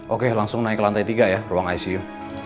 oke langsung naik ke lantai tiga ya ruang icu